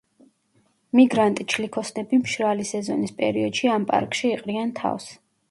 მიგრანტი ჩლიქოსნები მშრალი სეზონის პერიოდში ამ პარკში იყრიან თავს.